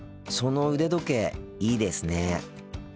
その腕時計いいですね。